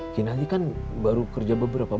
kinanti kan baru kerja beberapa hari